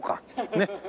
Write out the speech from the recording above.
ねっ。